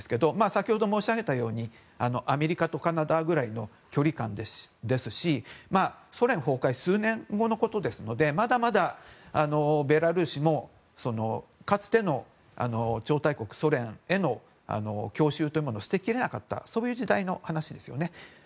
先ほど申し上げたようにアメリカとカナダくらいの距離感ですしソ連崩壊数年後のことですのでまだまだベラルーシもかつての超大国ソ連への郷愁というものを捨てきれなかったそういう時代の話ですよね。